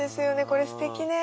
これすてきね。